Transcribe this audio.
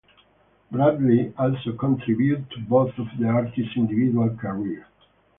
Bradley also contributed to both of the artists individual career.